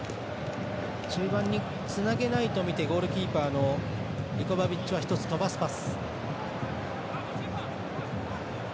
中盤につなげないと見てゴールキーパーのリバコビッチは少し飛ばすパス。